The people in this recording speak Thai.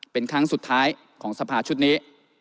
เป็นครั้งสุดท้ายของสภาชุดนี้